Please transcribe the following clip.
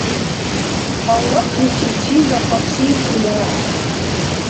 Авлахъличив чилра къаршииркули ахӀен.